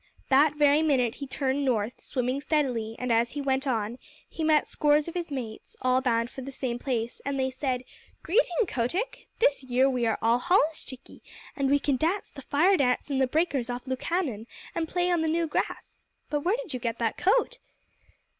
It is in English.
That very minute he turned north, swimming steadily, and as he went on he met scores of his mates, all bound for the same place, and they said: "Greeting, Kotick! This year we are all holluschickie, and we can dance the Fire dance in the breakers off Lukannon and play on the new grass. But where did you get that coat?"